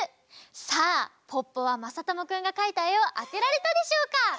さあポッポはまさともくんがかいたえをあてられたでしょうか？